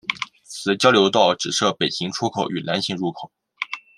此交流道只设北行出口与南行入口。